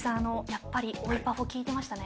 やっぱり追いパフォ効いてましたね。